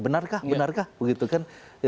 benarkah benarkah begitu kan